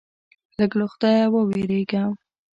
لږ له خدایه ووېرېږه.